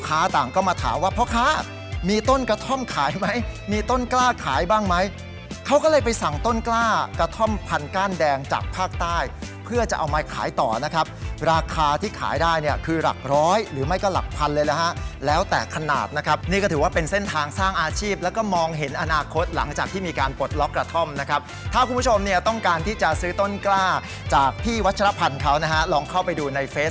กระท่อมพันธุ์ก้านแดงจากภาคใต้เพื่อจะเอามาขายต่อนะครับราคาที่ขายได้เนี่ยคือหลักร้อยหรือไม่ก็หลักพันธุ์เลยนะฮะแล้วแต่ขนาดนะครับนี่ก็ถือว่าเป็นเส้นทางสร้างอาชีพแล้วก็มองเห็นอนาคตหลังจากที่มีการเปิดล็อกกระท่อมนะครับถ้าคุณผู้ชมเนี่ยต้องการที่จะซื้อต้นกล้าจากพี่วัชรพันธุ์